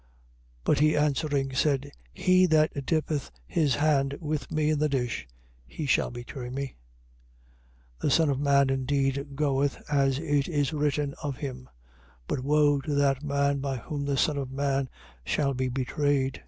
26:23. But he answering said: He that dippeth his hand with me in the dish, he shall betray me. 26:24. The Son of man indeed goeth, as it is written of him. But woe to that man by whom the Son of man shall be betrayed.